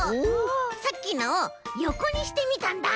さっきのをよこにしてみたんだ！